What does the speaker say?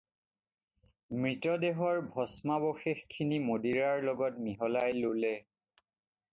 মৃতদেহৰ ভস্মাৱশেষখিনি মদিৰাৰ লগত মিহলাই ল'লে।